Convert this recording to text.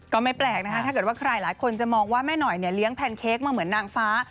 ก็ไม่แปลกนะคะถ้าเกิดว่าใครหลายคนจะมองว่าแม่หน่อยเนี่ยเลี้ยงแพนเค้กมาเหมือนนางฟ้า